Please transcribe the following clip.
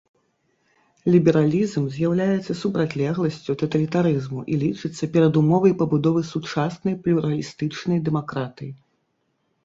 Лібералізм з'яўляецца супрацьлегласцю таталітарызму і лічыцца перадумовай пабудовы сучаснай плюралістычнай дэмакратыі.